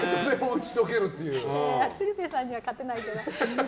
鶴瓶さんには勝てないけど。